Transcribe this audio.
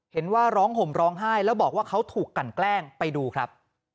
ร้องห่มร้องไห้แล้วบอกว่าเขาถูกกันแกล้งไปดูครับ